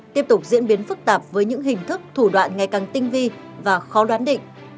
tiếp tục diễn biến phức tạp với những hình thức thủ đoạn ngày càng tinh vi và khó đoán định